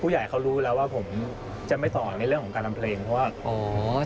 ใหญ่เขารู้แล้วว่าผมจะไม่สอนในเรื่องของการทำเพลงเพราะว่าอ๋อ